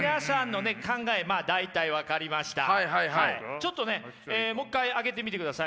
ちょっともう一回上げてみてください。